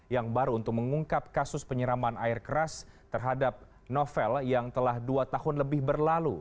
yang baru untuk mengungkap kasus penyiraman air keras terhadap novel yang telah dua tahun lebih berlalu